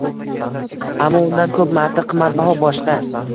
ammo undan ko‘p marta qimmatbaho boshqa